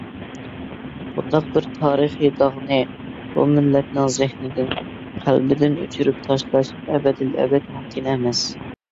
بۇنداق بىر تارىخىي داغنى بۇ مىللەتنىڭ زېھنىدىن، قەلبىدىن ئۆچۈرۈپ تاشلاش ئەبەدىلئەبەد مۇمكىن ئەمەس.